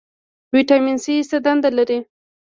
ویټامین سي څه دنده لري؟